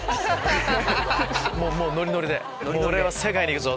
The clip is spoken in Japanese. ノリノリで「世界に行くぞ！」